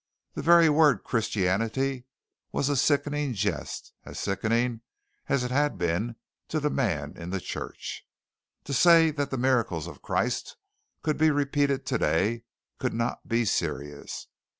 The very word Christianity was a sickening jest, as sickening as it had been to the man in the church. To say that the miracles of Christ could be repeated today could not be serious.